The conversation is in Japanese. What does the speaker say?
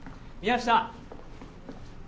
宮下！